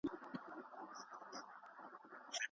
شاګرد د موضوع مثالونه څنګه راټولوي؟